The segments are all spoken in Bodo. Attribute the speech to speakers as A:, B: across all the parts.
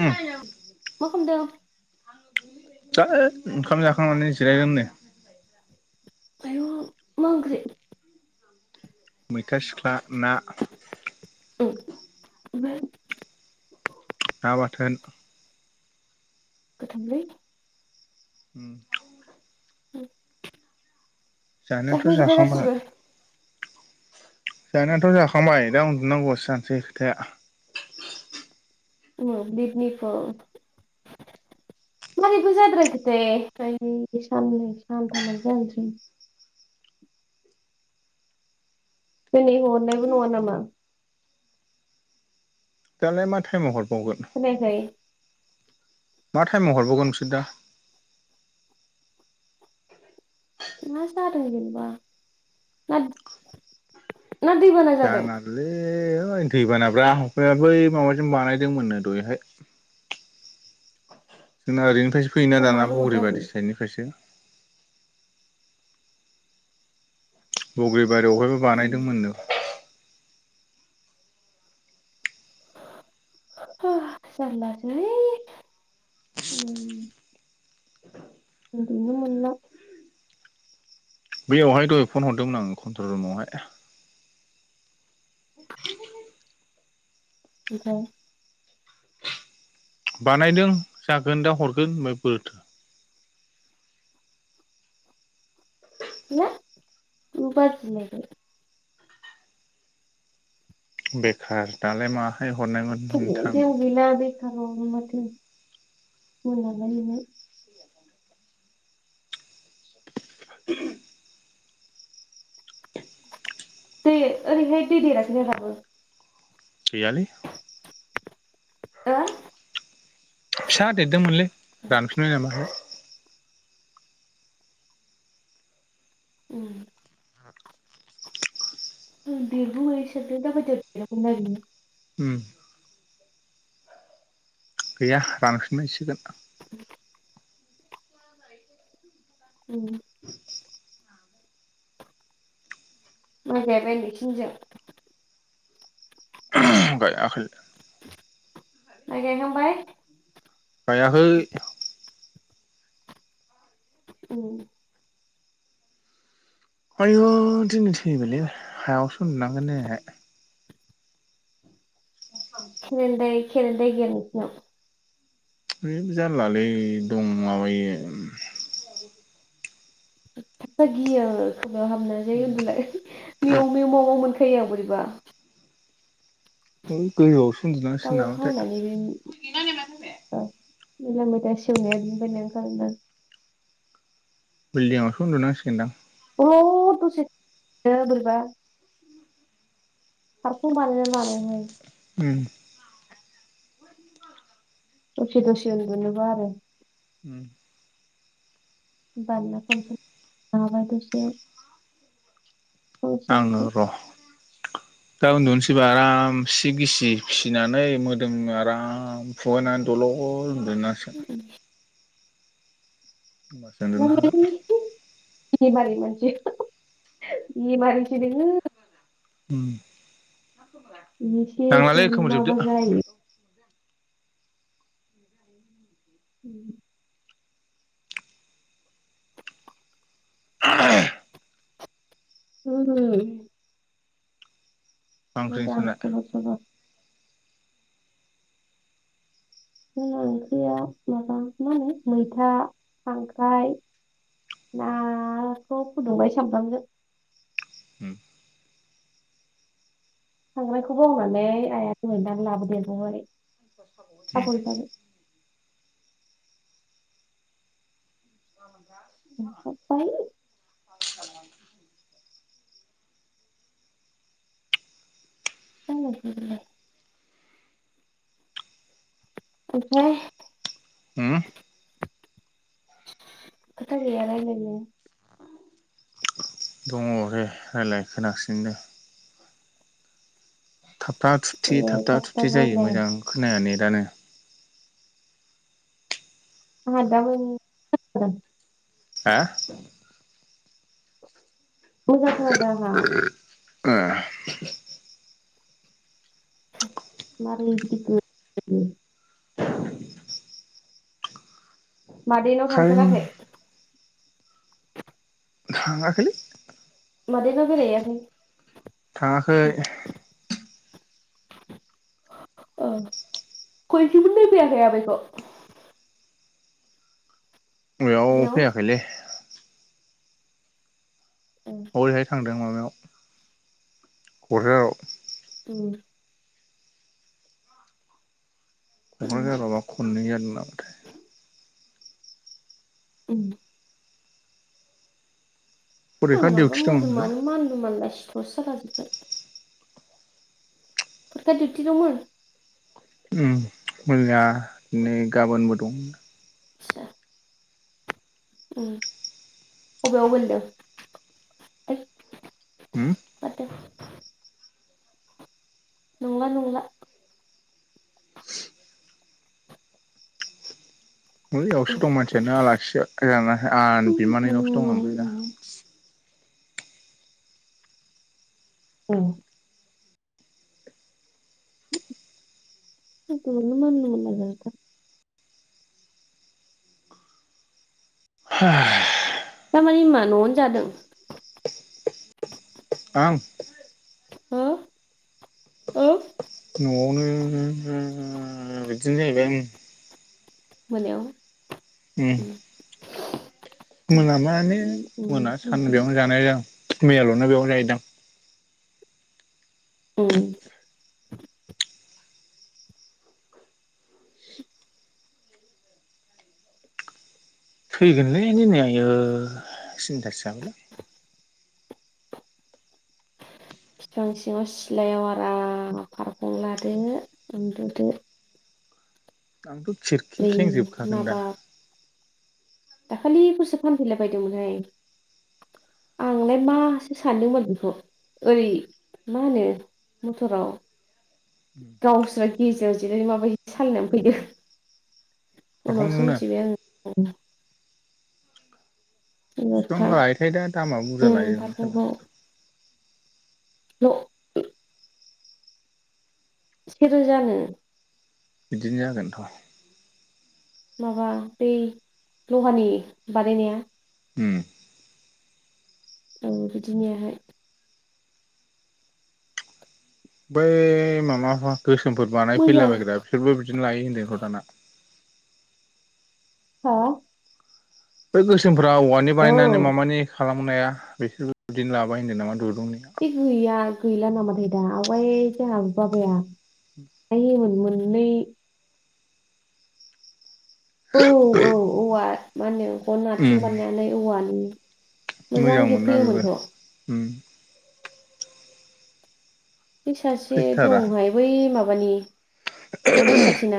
A: उ
B: मा खामदों?
A: जा ओंखाम जाखांनानै जिरायगोनदे।
B: आय मा ओंख्रि?
A: मैथा सिख्ला ना। ना बाथोन।
B: गोथांलै।
A: उ।
B: उ।
A: जानाथ' जाखांबाय।
B: गासिबो
A: जानायाथ' जाखांबाय दा उन्दनांगौवासो जानोसै खोथाया।
B: अ बिदनिफो। मारैबो जाद्रायाखो दे साननै सानथामानो जानोसै। दिनै हरनायबो नङा नामा?
A: दालाय मा थायमाव हर
B: खोनायाखै?
A: माथायमाव हरबोगोन नोंसोर दा?
B: मा जादों जेनबा मा
A: जानालि? ए दै बानाब्रा हफाया बै माबाजों बानायदोंमोननो दयहाय। जोंना ओरैनिफ्रायसो फैयोना दाना
B: मानो हरदों आदै
A: बग्रिबारि साइडनिफ्रायसो। बग्रिबारियावहायबो बानायदोंमोननो।
B: ह जालालासोलै। उम। उनदुनो मोनला।
A: बैयावहाय दहाय फन हरदोंमोन आं कन्ट्रल रुमावहाय। [unintelligible]
B: [unintelligible]
A: बानायदों जागोन दा हरगोन होनबाय बोरथो?
B: गैला मा बादिलायबाय?
A: बेखार दालाय माहाय हरनायमोन
B: लायबाय
A: नोंथां?
B: जेबो [unintelligible]
A: [unintelligible]
B: दे ओरैहाय दै देराखैना दाबो?
A: गैयालै
B: हो?
A: फिसा देरदोंमोनलै रानफिनबाय नामा
B: उम
A: [unintelligible]
B: उम बिगुमैसो [unintelligible]
A: उम गैया रानफिनबायसोगोन
B: [unintelligible] उम
A: [unintelligible]
B: माय गायबाय नोंसिनजों?
A: [unintelligible] गायाखै
B: माय गायखांबाय?
A: गायाखै
B: उम
A: आयु दिनै थैबायलै हायावसो उन्दुनांगोन दिनैहाय [unintelligible]
B: खेरेन्दाय खेरेन्दाय गैया नोंसिनाव
A: है जारलालै दं माबायो
B: [unintelligible] गियो खोमायाव हाबना जै‌ उन्दुलाय मेव मेव माव माव मोन फैयो बोरैबा
A: है गोजौआवसो
B: दा
A: उन्दनांसिगोन
B: अखा हानानै बे
A: नामाथाय [unintelligible]
B: मैला मैथा सेवनाया बेनिफायनो ओंखारोनदां
A: बिल्डिंआवसो उन्दुनांसिगोनदां
B: अ' द'से [unintelligible] बोरैबा सांखं बानायना लाबाय हाय
A: उम
B: दसे दसे उन्दनोबा आरो बामना [unintelligible]
A: आंनो र'
B: [inaudible]
A: दा उन्दुनोसैबा आरामसे गिसि फिसिनानै मोदोमनो आराम फुवारनानै दल' ल' उन्दुनांसिगोन होमबासो उन्दुनो हागोन
B: [unintelligible] [unintelligible] बेमारि सो नोङो
A: उम
B: बेसे सोरनावबा जायो
A: [unintelligible]
B: [unintelligible]
A: मा ओंख्रि
B: मोजां
A: नोंसोरना
B: खबर सबर? जोंना ओंख्रिया माबा मा होनो मैथा खांख्राय नाखौ फुदुंबाय सामब्रामजों
A: उम
B: खांख्रायखौ बावनानै आया दहाय नाबो लाबोदेरबावबाइ।
A: उम
B: थास' बिबारजों। [unintelligible] [unintelligible] ओमफ्राय?
A: उम
B: खोथा गैया रायलायनो?
A: दङ दे रायलाय, खोनागासिनो दे। थाबथा
B: दे
A: थुबथि थाबथा
B: थाब
A: थुबथि
B: थाब
A: जायो
B: रायलाय
A: मोजां खोनाया नेदानो।
B: [unintelligible]
A: हा?
B: मोजां खोनादो आंहा।
A: ओ।
B: [unintelligible] मादैनाव
A: कारेन्ट
B: थांथाराखै?
A: थाङाखैलै।
B: मादैनाव बेरायहैयाखै?
A: थाङाखै।
B: खनसेबो नायफैयाखै आमायखौ?
A: बेयाव फैयाखैलै।
B: ए
A: हरैहाय थांदों माबायाव क'क्राझाराव।
B: [inaudible]
A: क'क्राझाराव बा
B: [inaudible]
A: [unintelligible]
B: [unintelligible]
A: फरिखा डिउटि दंमोनलै
B: [unintelligible] फरिखा डिउटि दंमोन?
A: मैया दिनै गाबोनबो दं।
B: [unintelligible] अबेयाव गोलैदों?
A: उम
B: [unintelligible] नंला नंला।
A: बैयावसो दं मानसियानो आलासिसो [unintelligible]
B: उम
A: बिमानैनावसो दं ओमफ्राय दा।
B: [inaudible] [unintelligible]
A: [inaudible]
B: थारमाने न'आवनो जादों?
A: आं?
B: [unintelligible]
A: न'आवनो बिदिनो जाहैबाय ओं।
B: मोनायाव। उम
A: [inaudible]
B: उम
A: मोना माने
B: उम उम
A: मोना सान
B: मोनसोबाय
A: बेयावनो जानाय जादों मैयाल'ना बेयावनो जाहैदां।
B: औ।
A: थैगोनलै दिनै आयो सिन्थासो जाबायलां।
B: [inaudible] फिफां सिङाव सिलायाव आराम फारखं लादो उन्दुदो।
A: आंथ' खिरखि
B: बै
A: खेंजोबखागोन
B: माबा
A: दा।
B: दाखालिफोरसो फानफैलाबायदोंमोनहाय। आंलाय मासो सानदों [unintelligible] बेख'। ओरै मा होनो मथराव गावस्रा गेजेराव जिरायना माबायदि सालायना फैदों। उनावसो
A: फारखंखौनो
B: मिथिबाय आङो। उम।
A: बेसेफां
B: माबा
A: लायोथाय दा दामा बुरजा
B: उम
A: लायो
B: फारखंखौ
A: साला।
B: [inaudible] से रोजानो।
A: बिदिनो जागोनथ'।
B: माबा बै लहानि बानायनाया
A: उम।
B: औ बिदिनियाहाय।
A: बै मामाफा गोसोमफोर बानाय
B: मोजां
A: फैलाबायग्रा बिसोरबो बिदिनो लायो होनदोंथ' दाना।
B: हा?
A: बै गोसोमफ्रा औवानि
B: औ
A: बानायनानै मामानि खालामनाया बेखौ बिदिनो लाबाय होनदों नामा दुर
B: बे गैया गैला नामाथाय दा। आवगाय जोंहा बाबाया आय होयोमोन मोननै औ औ औवा मा होनो गन आथिं
A: उम
B: बानायनानै औवानि
A: मोजां मोन्ना बेबो उम।
B: बे सासे दंहाय बै माबानि मन्दिर खाथिना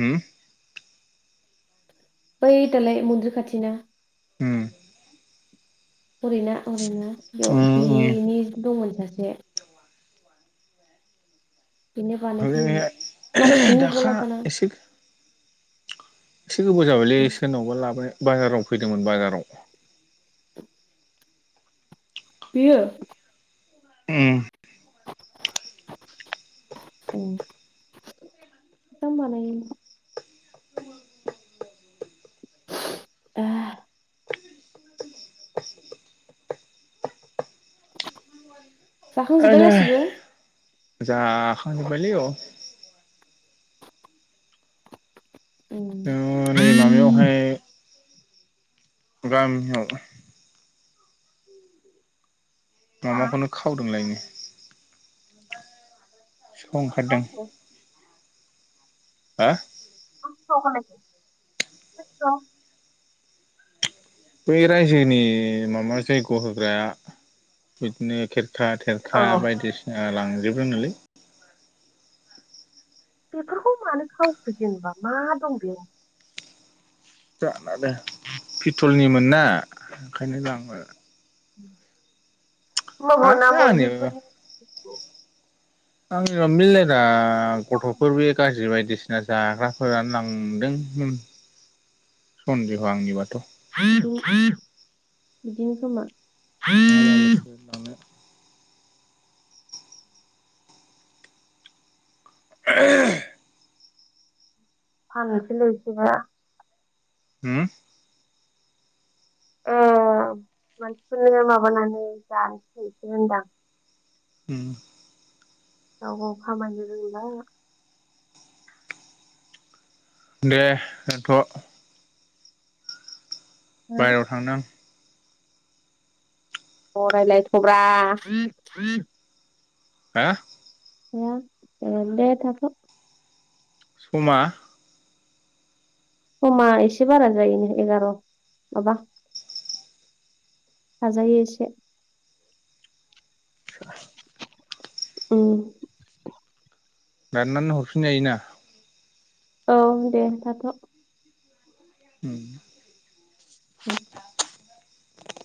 A: हुम?
B: बै दालाय मन्दिर खाथिना।
A: उम।
B: हरैना अरैना बेयाव
A: उम
B: बिनि दंमोन सासे। बेनो
A: आरो
B: बानायफैयोमोन मानसिखौनो
A: दाखा
B: नुबावला दाना
A: एसे एसे गोबाव जाबायलै सोरनावबा लाबोनाय बाजाराव फैदोंमोन बाजाराव।
B: बियो?
A: उम।
B: [inaudible] औ जां बानायो। [inaudible] जाखांजोब्बाय गासिबो?
A: जाखां जोब्बायलै औ।
B: उम
A: दा नै माबायावहाय गामियाव माबाखौनो खावदोंलायनो। सिखाव ओंखारदों। हा?
B: [inaudible]
A: बै रायजोनि माबा जैग' होग्राया बिदिनो खेर खा
B: अ
A: थेरखा बायदिसिना लांजोबदोनोलै।
B: बेफोरखौ मानो खावखो जेनेबा मा दं बेयाव?
A: जानो आरो पिटलनिमोन ना ओंखायनो लाङो।
B: होमबाबोना
A: आंनि
B: मन्दिरफोरनि
A: आंनिबा मिलेरा गथ'फोर बे गाज्रि बायदि सिना जाग्राफोरानो लांदों होन सन्देह' आंनिबाथ'।
B: बिदिनो खोमा।
A: ना मालायसो लानो। [inaudible]
B: फाननोसैलैसैबा।
A: हुम?
B: ओ मानसिफोरनो माबानानै जानोसैैसो होनदां।
A: उम।
B: गाव गाव खामायनो रोंला।
A: दे दोन्थ'। बायहेरायाव थांनां।
B: अ रायलायथ'ब्रा।
A: हो।
B: [unintelligible]
A: समा।
B: खमा एसे बारा जायोन एगार' माबा हाजायो एसे।
A: [inaudible]
B: उम।
A: दाननानै हरफिन जायोना।
B: औ देन थाथ'।
A: उम।
B: उम